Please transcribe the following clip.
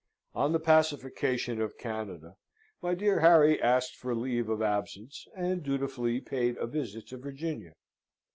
On the pacification of Canada, my dear Harry asked for leave of absence, and dutifully paid a visit to Virginia.